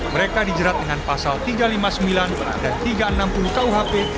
mereka dijerat dengan pasal tiga ratus lima puluh sembilan dan tiga ratus enam puluh kuhp